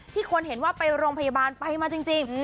คนเห็นว่าไปโรงพยาบาลไปมาจริง